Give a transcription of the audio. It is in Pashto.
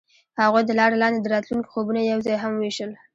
هغوی د لاره لاندې د راتلونکي خوبونه یوځای هم وویشل.